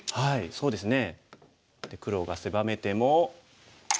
そうですね。